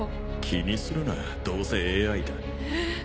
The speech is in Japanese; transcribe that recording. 気にするなどうせＡＩだ。